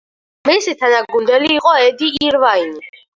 მისი თანაგუნდელი იყო ედი ირვაინი.